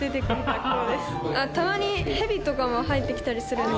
たまにヘビとかも入ってきたりするんで。